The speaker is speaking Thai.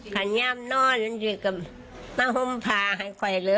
คิดถอดหน่อยปะแม่